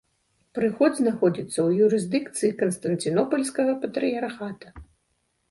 Прыход знаходзіцца ў юрысдыкцыі канстанцінопальскага патрыярхата.